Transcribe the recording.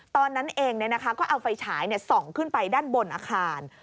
ตอนนั้นเองก็เอาไฟฉายส่องขึ้นไปด้านบนอาคาร